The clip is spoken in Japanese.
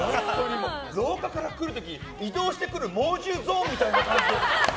廊下から来る時に移動してくる猛獣ゾーンみたいな。